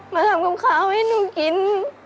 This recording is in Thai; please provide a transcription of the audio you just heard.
มาทำกำคาวให้ลูกกิน